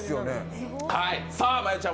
さあ、真悠ちゃん